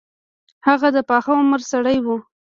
هغه د پاخه عمر سړی وو.